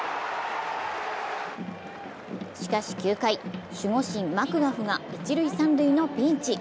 しかし９回、守護神・マクガフが一塁・三塁のピンチ。